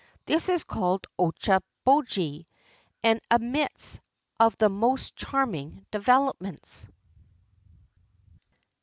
This is called ocha boji, and admits of the most charming developments.